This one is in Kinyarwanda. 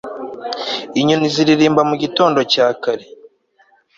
inyoni ziririmba mu gitondo cya kare